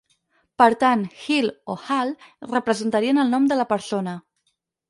Per tant, "Hil-" o "Hal-" representarien el nom de la persona.